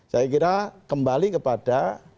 saya kira kembali kepada